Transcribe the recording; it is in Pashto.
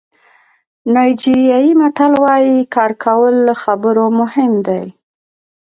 نایجیریايي متل وایي کار کول له خبرو مهم دي.